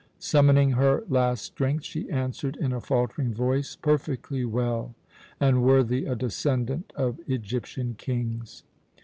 Summoning her last strength, she answered in a faltering voice, "Perfectly well, and worthy a descendant of Egyptian kings."